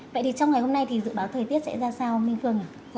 vậy thì trong ngày hôm nay thì dự báo thời tiết sẽ ra sao minh phương ạ